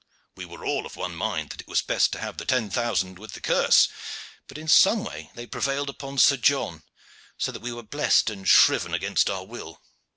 We were all of one mind that it was best to have the ten thousand with the curse; but in some way they prevailed upon Sir John, so that we were blest and shriven against our will.